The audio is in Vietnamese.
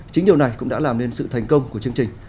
chính điều này cũng đã làm nên sự thành công của chương trình